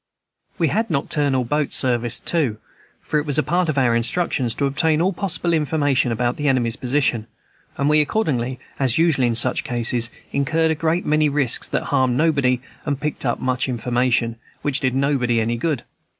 We had nocturnal boat service, too, for it was a part of our instructions to obtain all possible information about the enemy's position; and we accordingly, as usual in such cases, incurred a great many risks that harmed nobody, and picked up much information which did nobody any good.